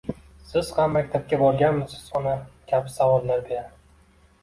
Siz ham maktabga borganmisiz, ona? — kabi savollar berar.